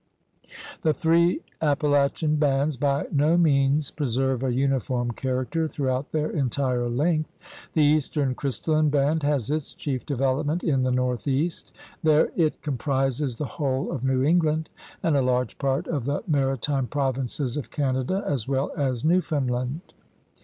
The three Appalachian bands by no means pre serve a uniform character throughout their entire length. The eastern crystalline band has its chief development in the northeast. There it com prises the whole of New England and a large part of the maritime provinces of Canada as well as Newfoundland.